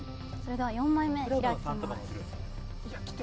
４枚目開きます。